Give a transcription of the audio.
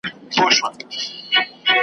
نه زمریو نه پړانګانو سوای نیولای .